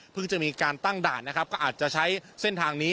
จะมีการตั้งด่านนะครับก็อาจจะใช้เส้นทางนี้